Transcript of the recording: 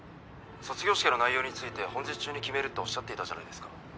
卒業試験の内容について本日中に決めるっておっしゃっていたじゃないですか。